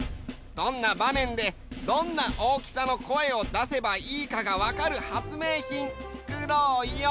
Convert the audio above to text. どんなばめんでどんな大きさの声をだせばいいかがわかる発明品つくろうよ。